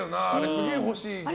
すげえ欲しい。